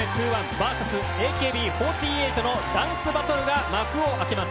ＶＳＡＫＢ４８のダンスバトルが幕を開けます。